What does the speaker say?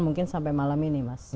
mungkin sampai malam ini